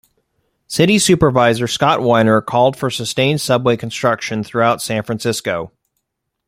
City Supervisor Scott Wiener called for sustained subway construction throughout San Francisco.